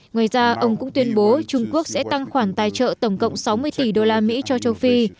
ngoài ra ông cũng tuyên bố trung quốc sẽ tăng khoản tài trợ tổng cộng sáu mươi tỷ đô la mỹ cho châu phi